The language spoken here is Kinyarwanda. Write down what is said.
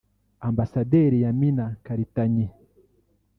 Ambasaderi Yamina Karitanyi